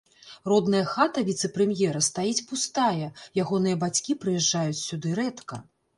Родная хата віцэ-прэм'ера стаіць пустая, ягоныя бацькі прыязджаюць сюды рэдка.